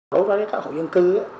đối với các hậu dân cư